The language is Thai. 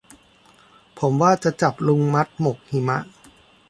ผมว่าจะจับลุงมัดหมกหิมะ